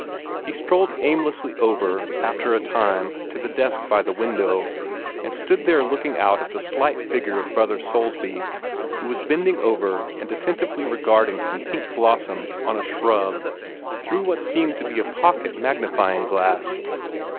He strolled aimlessly over, after a time, to the desk by the window, and stood there looking out at the slight figure of Brother Soulsby, who was bending over and attentively regarding some pink blossoms on a shrub through what seemed to be a pocket magnifying glass.